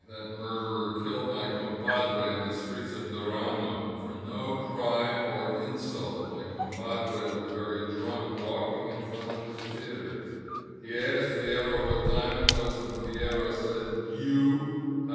'^That murderer killed my compadre in the streets of Durango — for no crime or insult! My compadre was very drunk, walking in front of the theater. He asked Fierro what time it was, and Fierro said. You